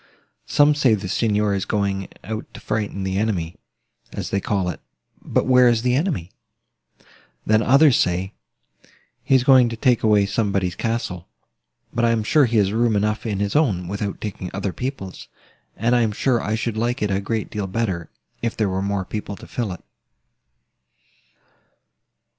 Some say the Signor is going out to frighten the enemy, as they call it: but where is the enemy? Then others say, he is going to take away somebody's castle: but I am sure he has room enough in his own, without taking other people's; and I am sure I should like it a great deal better, if there were more people to fill it."